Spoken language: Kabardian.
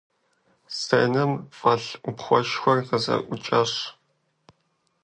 Сценэм фӀэлъ Ӏупхъуэшхуэр къызэӀукӀащ.